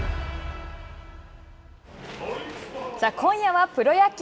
さあ、今夜はプロ野球。